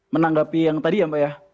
menanggapi yang tadi ya mbak ya